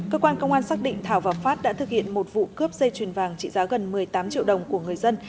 cơ quan công an xác định thảo và phát đã thực hiện một vụ cướp dây chuyền vàng trị giá gần một mươi tám triệu đồng của người dân